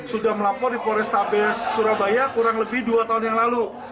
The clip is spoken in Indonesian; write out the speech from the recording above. sudah melapor di polrestabes surabaya kurang lebih dua tahun yang lalu